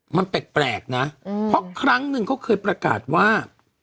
มันเปลี่ยนแปลกนะเพราะครั้งนึงเขาเคยประกาศว่า